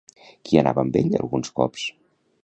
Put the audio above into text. Qui anava amb ell, alguns cops?